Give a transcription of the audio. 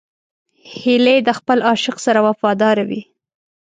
هیلۍ د خپل عاشق سره وفاداره وي